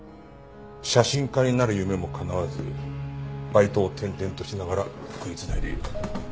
写真家になる夢もかなわずバイトを転々としながら食い繋いでいる。